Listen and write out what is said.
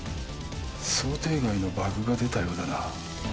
想定外のバグが出たようだな。